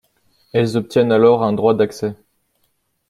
Elles obtiennent alors un droit d'accès.